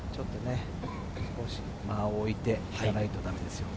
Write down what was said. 少し間を置いていかないとダメですね。